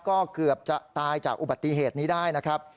ก็เกือบจะตายจากอุบัติเหตุนี้ได้นะครับ